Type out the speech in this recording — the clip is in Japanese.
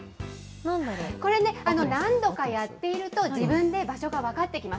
これで何度かやっていると、自分で場所が分かってきます。